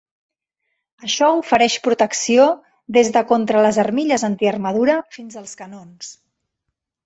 Això ofereix protecció des de contra les armilles antiarmadura fins als canons.